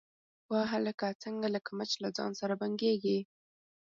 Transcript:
_وه هلکه، څنګه لکه مچ له ځان سره بنګېږې؟